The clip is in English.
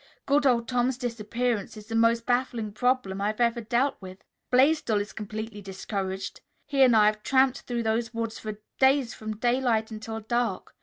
"Good old Tom's disappearance is the most baffling problem I've ever dealt with. Blaisdell is completely discouraged. He and I have tramped through those woods for days from daylight until dark.